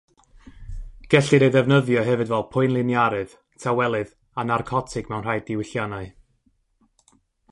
Gellir ei ddefnyddio hefyd fel poenliniarydd, tawelydd a narcotig mewn rhai diwylliannau.